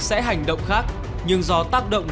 sẽ hành động khác nhưng do tác động